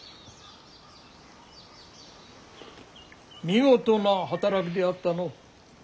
見事な働きであったの。